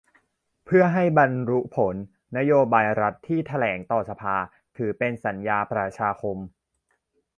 เพื่อให้บรรลุผล นโยบายรัฐที่แถลงต่อสภา ถือเป็นสัญญาประชาคม